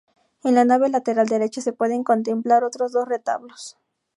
En la nave lateral derecha se pueden contemplar otros dos retablos.